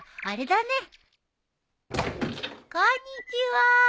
あれだね。